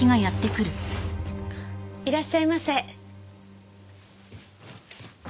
いらっしゃいませ。